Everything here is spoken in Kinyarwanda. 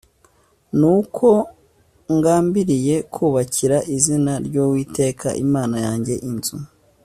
Nuko ngambiriye kubakira izina ry’Uwiteka Imana yanjye inzu